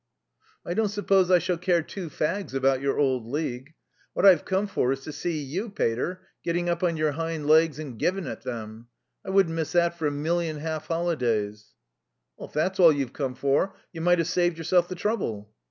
"I don't suppose I shall care two fags about your old League. What I've come for is to see you, pater, getting up on your hind legs and giving it them. I wouldn't miss that for a million half holidays." "If that's all you've come for you might have saved yourself the trouble."